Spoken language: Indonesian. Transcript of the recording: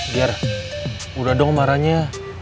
ger udah dong marahnya